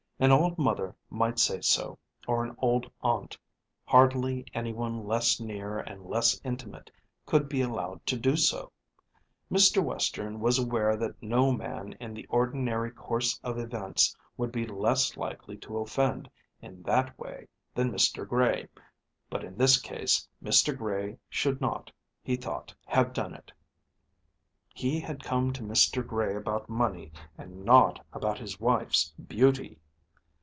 An old mother might say so, or an old aunt; hardly any one less near and less intimate could be allowed to do so. Mr. Western was aware that no man in the ordinary course of events would be less likely to offend in that way than Mr. Gray. But in this case Mr. Gray should not, he thought, have done it. He had come to Mr. Gray about money and not about his wife's beauty.